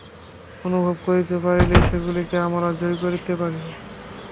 অনুভব করিতে পারিলেই সেগুলিকে আমরা জয় করিতে পারিব।